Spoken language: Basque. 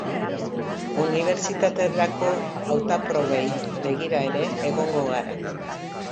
Unibertsitaterako hautaprobei begira ere egongo gara.